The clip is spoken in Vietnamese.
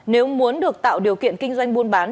nếu muốn được tạo điều kiện kinh doanh buôn bán